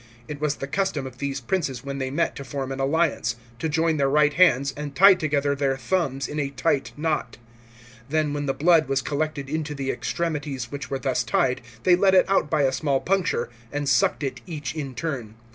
It was the custom of these princes when they met to form an alliance, to join their right hands and tie together their thumbs in a tight knot. Then when the blood was collected into the extremities which were thus tied, they let it out by a small puncture, and sucked it each in turn.